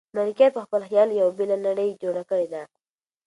ملکیار په خپل خیال یوه بېله نړۍ جوړه کړې ده.